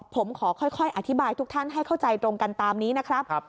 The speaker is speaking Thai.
ผมขอค่อยอธิบายทุกท่านให้เข้าใจตรงกันตามนี้นะครับ